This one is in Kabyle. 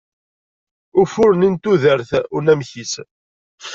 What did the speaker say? Wufur-nni n tudert, unamek-is